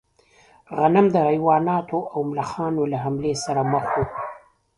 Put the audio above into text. غنم د حیواناتو او ملخانو له حملې سره مخ و.